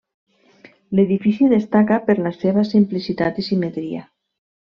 L'edifici destaca per la seva simplicitat i simetria.